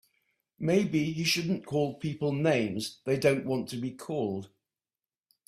Maybe he should not call people names that they don't want to be called.